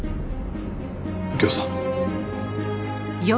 右京さん。